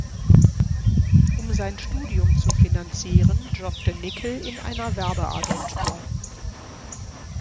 Um sein Studium zu finanzieren, jobbte Nickel in einer Werbeagentur.